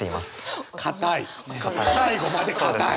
最後までカタい。